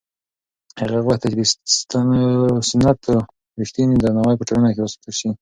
هغې غوښتل چې د سنتو رښتینی درناوی په ټولنه کې وساتل شي.